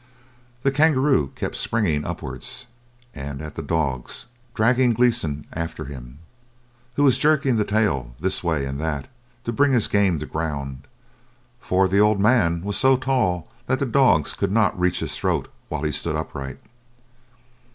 The kangaroo kept springing upwards and at the dogs, dragging Gleeson after him, who was jerking the tail this way and that to bring his game to the ground, for the "old man" was so tall that the dogs could not reach his throat while he stood upright.